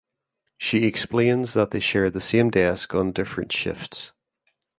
She explains that they share the same desk on different shifts.